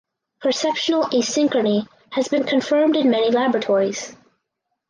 Perceptual asynchrony has been confirmed in many laboratories.